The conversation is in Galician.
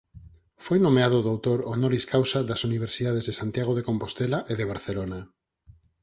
Foi nomeado doutor "honoris causa" das Universidades de Santiago de Compostela e de Barcelona.